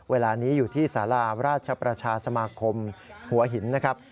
เวลานี้อยู่ที่สาราราชประชาสมาคมหัวหินนะครับ